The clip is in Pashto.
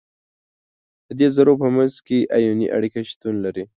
د دې ذرو په منځ کې آیوني اړیکه شتون لري.